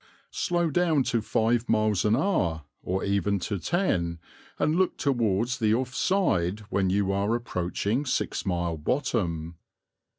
Slow down to five miles an hour, or even to ten, and look towards the off side when you are approaching Six Mile Bottom.